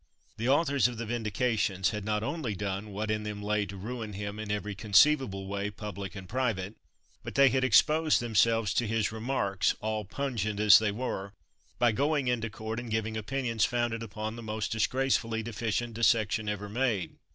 The authors of the "Vindications" had not only done what in them lay to ruin him in every conceivable way, public and private, but they had exposed themselves to his "Remarks," all pungent as they were, by going into court and giving opinions founded upon "the most disgracefully deficient dissection ever made."